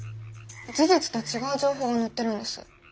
事実と違う情報が載ってるんです。